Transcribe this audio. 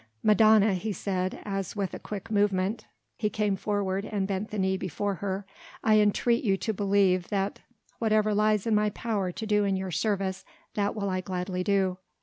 "Madonna," he said as with a quick movement he came forward and bent the knee before her, "I entreat you to believe that whatever lies in my power to do in your service, that will I gladly do.